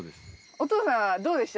お父さんどうでした？